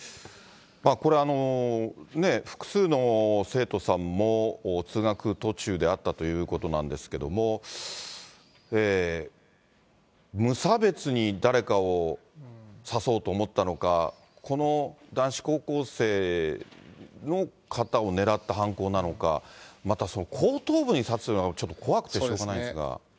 これ、複数の生徒さんも通学途中であったということなんですけれども、無差別に誰かを刺そうと思ったのか、この男子高校生の方を狙った犯行なのか、また後頭部に刺すというのがちょっと怖くてしょうがないですが。